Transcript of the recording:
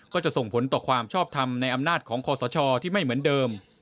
ก็จะส่งผลต่อความชอบทำในอำนาจของคอสชที่ไม่เหมือนเดิม